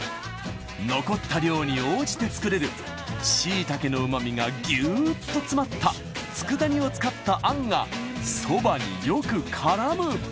残った量に応じて作れるしいたけの旨みがギューッと詰まった佃煮を使ったあんがそばによく絡む！